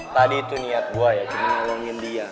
tadi itu niat gue ya cuma nolongin dia